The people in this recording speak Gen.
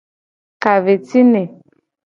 Ka ve ci ne.